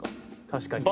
確かに。